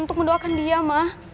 untuk mendoakan dia ma